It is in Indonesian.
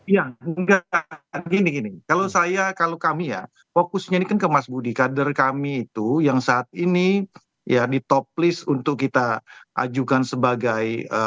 ya enggak gini gini kalau saya kalau kami ya fokusnya ini kan ke mas budi kader kami itu yang saat ini ya ditop list untuk kita ajukan sebagai